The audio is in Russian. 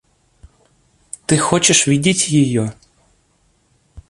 Ты хочешь видеть ее?